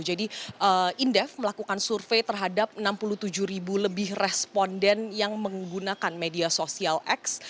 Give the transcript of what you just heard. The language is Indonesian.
jadi indef melakukan survei terhadap enam puluh tujuh ribu lebih responden yang menggunakan media sosial x